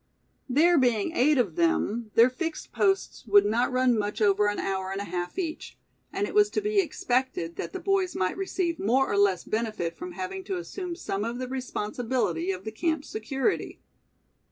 There being eight of them, their fixed posts would not run much over an hour and a half each; and it was to be expected that the boys might receive more or less benefit from having to assume some of the responsibility of the camp's security.